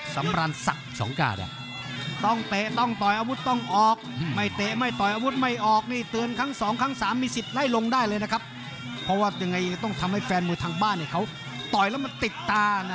สำราญสัก๒ก้าท